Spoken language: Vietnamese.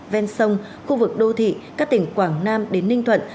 ven sông khu vực đô thị các tỉnh quảng nam đến ninh thuận